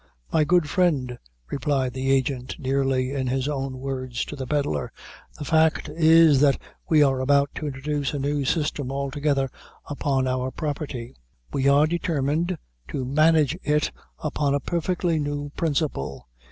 "My good friend," replied the agent, nearly in his own words to the Pedlar; "the fact is, that we are about to introduce a new system altogether upon our property. We are determined to manage it upon a perfectly new principle.